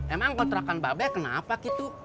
emang kontrakan babe kenapa gitu